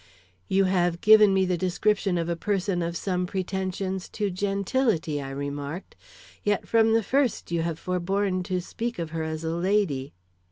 "You have given me the description of a person of some pretensions to gentility," I remarked, "yet from the first you have forborne to speak of her as a lady."